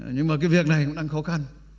nhưng mà cái việc này cũng đang khó khăn